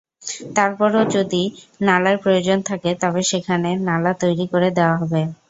তারপরও যদি নালার প্রয়োজন থাকে, তবে সেখানে নালা তৈরি করে দেওয়া হবে।